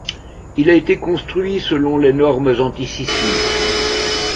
Il a été construit selon les normes anti-sismiques.